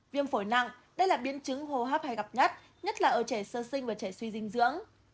viêm phổi nặng đây là biến chứng hô hấp hay gặp nhất nhất là ở trẻ sơ sinh và trẻ suy dinh dưỡng